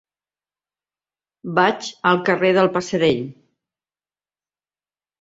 Vaig al carrer del Passerell.